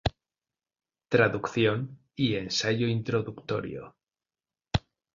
Traducción y ensayo introductorio.